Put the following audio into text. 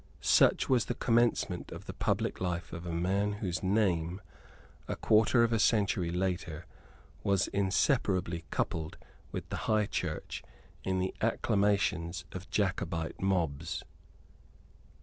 Such was the commencement of the public life of a man whose name, a quarter of a century later, was inseparably coupled with the High Church in the acclamations of Jacobite mobs.